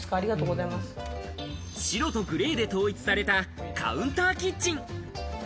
白とグレーで統一されたカウンターキッチン。